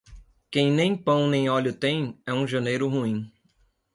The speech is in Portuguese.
Quem nem pão nem óleo tem, é um janeiro ruim.